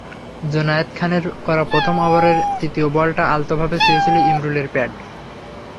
জুনায়েদ খানের করা প্রথম ওভারের তৃতীয় বলটা আলতোভাবে ছুঁয়েছিল ইমরুলের প্যাড।